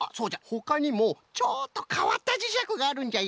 ほかにもちょっとかわったじしゃくがあるんじゃよ。